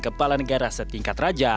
kepala negara setingkat raja